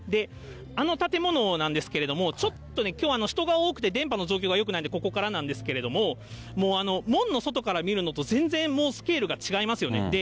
あの建物なんですけれども、ちょっとね、きょう、人が多くて電波の状況がよくないんで、ここからなんですけれども、もう、門の外から見るのと全然もうスケールが違いますよね。